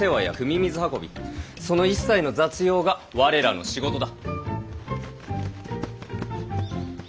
水運びその一切の雑用が我らの仕事だ。